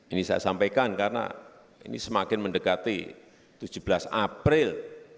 ini saya sampaikan karena ini semakin mendekati tujuh belas april